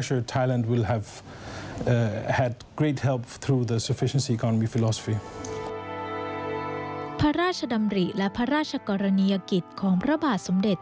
พระราชดำริและพระราชกรณียกิจของพระบาทสมเด็จ